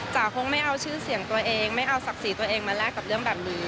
คงไม่เอาชื่อเสียงตัวเองไม่เอาศักดิ์ศรีตัวเองมาแลกกับเรื่องแบบนี้